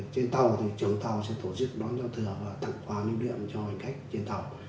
trên tàu thì trưởng tàu sẽ tổ chức đón giao thừa và tặng quà lưu niệm cho hành khách trên tàu